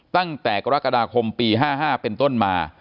ตั้งแต่กรกฎาคมปี๕๕เป็นต้นมา